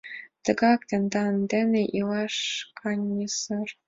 Тыгак тендан дене илаш каньысыр...